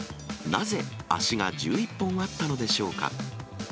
なぜ足が１１本あったのでしょうか。